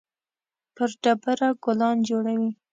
پر ډبره ګلان جوړوي